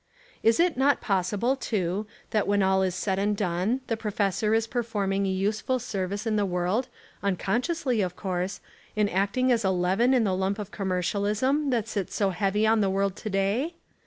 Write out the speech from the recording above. Is it not possible, too, that when all is said and done the professor Is per forming a useful service In the world, uncon sciously of course, In acting as a leaven in the lump of commercialism that sits so heavily on the world to day?